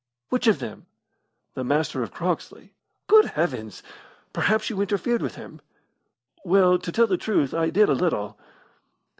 "Which of them?" "The Master of Croxley." "Good Heavens! Perhaps you interfered with him?" "Well, to tell the truth, I did a little."